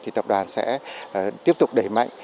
thì tập đoàn sẽ tiếp tục đẩy mạnh